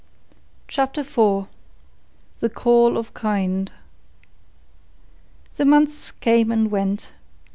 CHAPTER IV THE CALL OF KIND The months came and went.